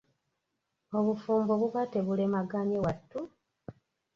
Obufumbo buba tebulemaganye wattu?